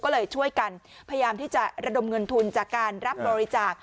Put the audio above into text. ก็เลยช่วยกันพยายามที่จะระดมเงินทุนจากการรับบริจาค